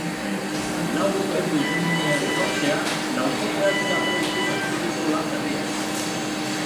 Lau urteko isilunearen ostean, laukoteak ia prest du estudioko lan berria.